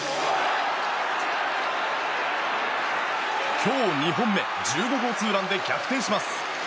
今日２本目１５号ツーランで逆転します。